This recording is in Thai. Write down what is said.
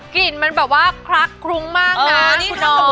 กลิ่นมันแบบว่าคลักกรุงมากนะคุณน้อง